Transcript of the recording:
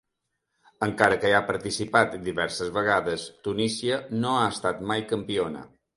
Encara que hi ha participat diverses vegades, Tunísia no ha estat mai campiona.